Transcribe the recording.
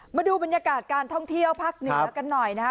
มาดูบรรยากาศการท่องเที่ยวภาคเหนือกันหน่อยนะฮะ